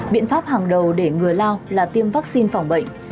biện pháp hàng đầu để ngừa lao là tiêm vaccine phòng bệnh